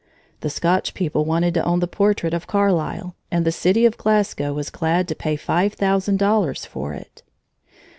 The Scotch people wanted to own the portrait of Carlyle, and the city of Glasgow was glad to pay five thousand dollars for it.